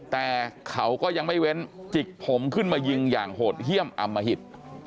แต่เขาก็ยังไม่เว้นจิกผมขึ้นมายิงอย่างโหดเยี่ยมอำมหิต